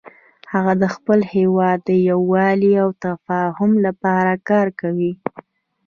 هغه د خپل هیواد د یووالي او تفاهم لپاره کار کوي